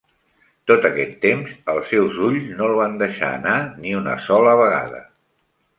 Tot aquest temps els seus ulls no el van deixar anar ni una sola vegada.